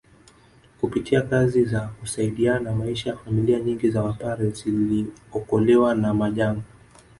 Kupitia kazi za kusaidiana maisha ya familia nyingi za Wapare ziliokolewa na majanga